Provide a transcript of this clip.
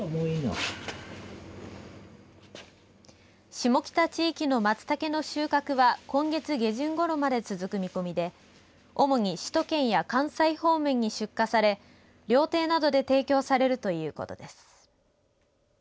下北地域のマツタケの収穫は今月下旬ごろまで続く見込みで主に首都圏や関西方面に出荷され料亭などで提供されるということです。